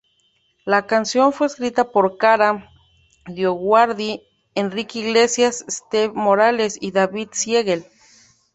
La canción fue escrita por Kara DioGuardi, Enrique Iglesias, Steve Morales y David Siegel.